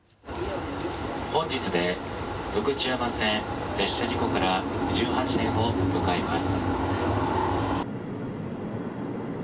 本日で福知山線列車事故から１８年を迎えます。